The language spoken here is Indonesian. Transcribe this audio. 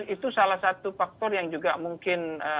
itu salah satu faktor yang juga mungkin